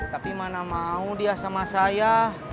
tapi mana mau dia sama saya